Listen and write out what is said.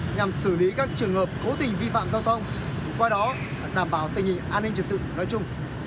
nhằm xử lý các trường hợp cố tình vi phạm giao thông qua đó đảm bảo tình hình an ninh trật tự nói chung